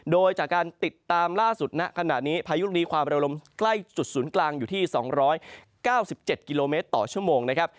โดยจากการติดตามล่าสุดณขณะนี้พายุลูกนี้ความเร็วลมใกล้จุดศูนย์กลางอยู่ที่๒๙๗กิโลเมตรต่อชั่วโมงนะครับ